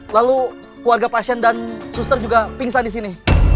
lalu keluarga pasien dan suster juga pingsan disini